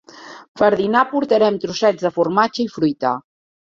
Per dinar portarem trossets de formatge i fruita.